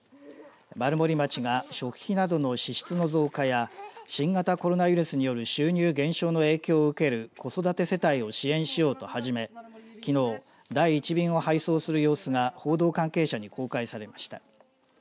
丸森町が食費などの支出の増加や新型コロナウイルスによる収入減少の影響を受ける子育て世帯を支援しようと始めきのう、第１便を配送する様子が報道関係者に公開されました。